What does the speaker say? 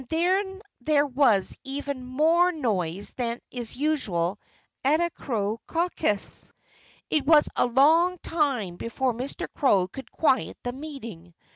Then there was even more noise than is usual at a crow caucus. It was a long time before old Mr. Crow could quiet the meeting.